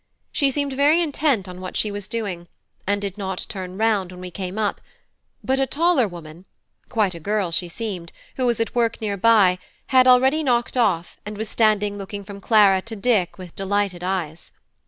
She seemed very intent on what she was doing, and did not turn round when we came up; but a taller woman, quite a girl she seemed, who was at work near by, had already knocked off, and was standing looking from Clara to Dick with delighted eyes.